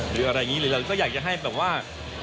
หรืออะไรอย่างนี้หรือเราก็อยากจะให้แบบว่า